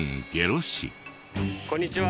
こんにちは。